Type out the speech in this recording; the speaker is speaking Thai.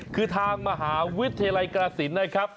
คือทางมหาวิทยาลัยกรสินนะครับ